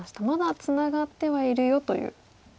「まだツナがってはいるよ」という。